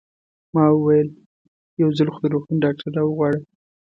ما وویل: یو ځل خو د روغتون ډاکټر را وغواړه.